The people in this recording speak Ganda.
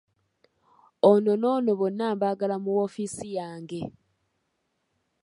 Ono n’ono bonna mbaagala mu woofiisi yange.